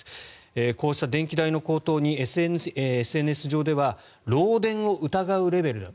こうした電気代の高騰にＳＮＳ上では漏電を疑うレベルだと。